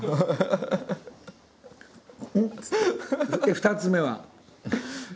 「２つ目は」